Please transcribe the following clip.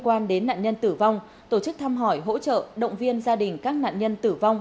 quan đến nạn nhân tử vong tổ chức thăm hỏi hỗ trợ động viên gia đình các nạn nhân tử vong